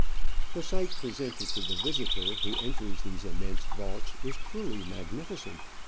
The sight presented to the visitor who enters these immense vaults is truly magnificent.